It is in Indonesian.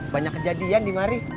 banyak kejadian di mari